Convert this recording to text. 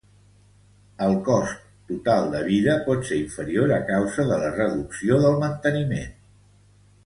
El cost total de vida pot ser inferior a causa de la reducció del manteniment.